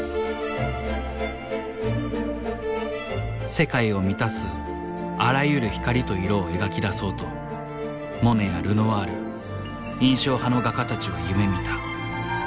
世界を満たすあらゆる光と色を描き出そうとモネやルノワール印象派の画家たちは夢みた。